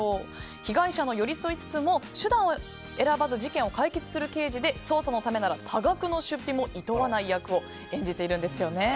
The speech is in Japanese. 被害者に寄り添いつつも手段を選ばず事件を解決する刑事で捜査のためなら多額の出費もいとわない刑事を演じているんですよね。